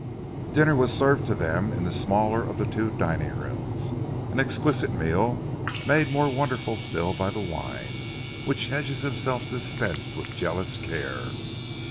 Dinner was served to them in the smaller of the two dining rooms, an exquisite meal, made more wonderful still by the wine, which Hedges himself dispensed with jealous care.